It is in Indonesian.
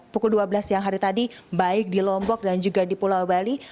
pukul dua belas siang hari tadi baik di lombok dan juga di pulau bali